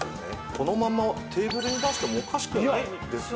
このままテーブルに出してもおかしくないですし。